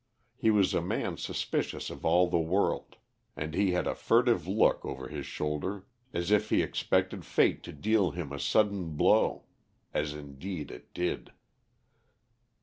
He was a man suspicious of all the world, and he had a furtive look over his shoulder as if he expected Fate to deal him a sudden blow as indeed it did.